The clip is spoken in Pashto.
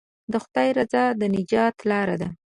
د خدای رضا د نجات لاره ده.